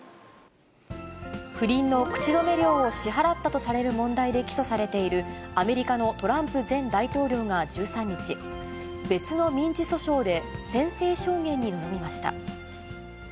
不倫の口止め料を支払ったとされる問題で起訴されているアメリカのトランプ前大統領が１３日、別の民事訴訟で宣誓証言に臨みました。